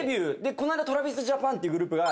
この間ＴｒａｖｉｓＪａｐａｎっていうグループが。